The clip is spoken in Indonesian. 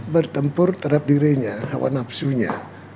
bertempur terhadap dirinya hawa nafsunya